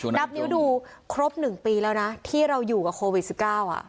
นับนิ้วดูครบ๑ปีแล้วนะที่เราอยู่กับโควิด๑๙